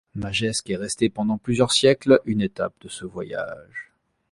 Magescq est restée pendant plusieurs siècles une étape de ce voyage.